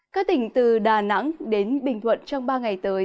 các tỉnh từ đà nẵng đến bình thuận trong ba ngày tới